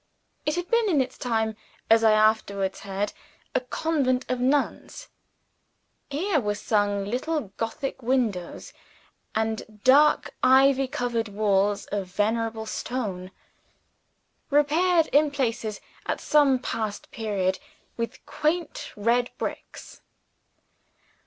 It had been, in its time, as I afterwards heard, a convent of nuns. Here were snug little Gothic windows, and dark ivy covered walls of venerable stone: repaired in places, at some past period, with quaint red bricks.